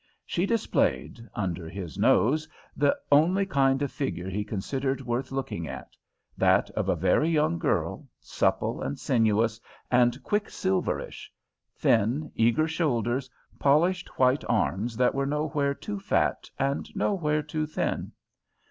She displayed, under his nose, the only kind of figure he considered worth looking at that of a very young girl, supple and sinuous and quicksilverish; thin, eager shoulders, polished white arms that were nowhere too fat and nowhere too thin.